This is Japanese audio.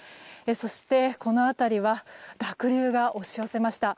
そして、この辺りは濁流が押し寄せました。